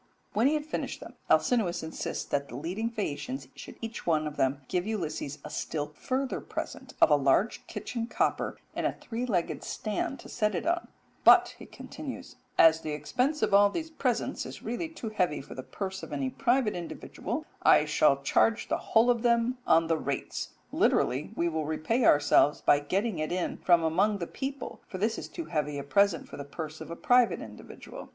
When he had finished them Alcinous insists that the leading Phaeacians should each one of them give Ulysses a still further present of a large kitchen copper and a three legged stand to set it on, "but," he continues, "as the expense of all these presents is really too heavy for the purse of any private individual, I shall charge the whole of them on the rates": literally, "We will repay ourselves by getting it in from among the people, for this is too heavy a present for the purse of a private individual."